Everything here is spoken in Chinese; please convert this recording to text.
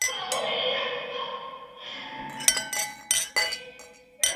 古滕斯特滕是德国巴伐利亚州的一个市镇。